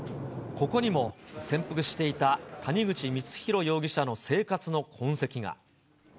ここにも潜伏していた谷口光弘容疑者の生活の痕跡が。